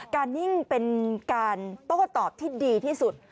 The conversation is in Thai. นิ่งเป็นการโต้ตอบที่ดีที่สุด